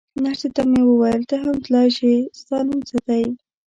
نرسې ته مې وویل: ته هم تلای شې، ستا نوم څه دی؟